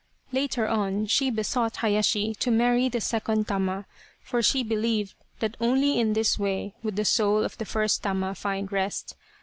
Later on she besought Hayashi to marry the second Tama, for she believed that only in this way would the soul of the first Tama find rest.